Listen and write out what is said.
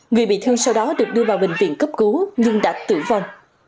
người bị thương sau đó được đưa vào bệnh viện cấp cứu nhưng đã tử vong